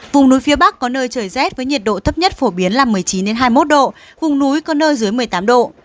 vùng núi phía bắc có nơi trời rét với nhiệt độ thấp nhất phổ biến là một mươi chín hai mươi một độ vùng núi có nơi dưới một mươi tám độ